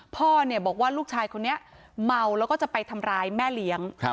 พ่อเนี่ยบอกว่าลูกชายคนนี้เมาแล้วก็จะไปทำร้ายแม่เลี้ยง